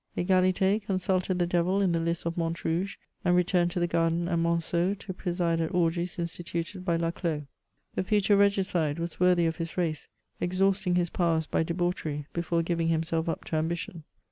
Egalite consulted the devil in the lists of Montrouge, and returned to the garden at Monceaux to preside at orgies instituted by La Clos. The future regicide was worthy of his race ; exhausting his powers by debauchery before giving himself up to ambition.